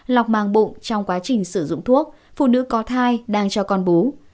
lọc màng bụng trong quá trình sử dụng thuốc phụ nữ có thai đang cho con bú